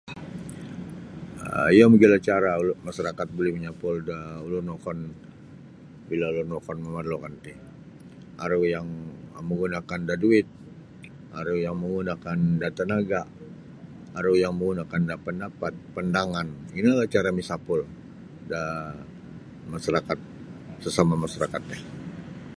um Iyo mogilo cara ulun masarakat buli manyapul da ulun wokon bila ulun wokon mamarlukan ti aru yang manggunakan da duit aru yang manggunakan da tanaga' aru yang manggunakan da pandapat pandangan inolah cara misapul da masarakat sasama' masarakat ti.